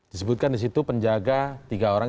disebutkan disitu penjaga tiga orang